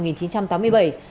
đều được giải quyết